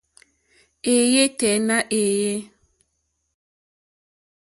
Èéyɛ́ tɛ́ nà èéyé.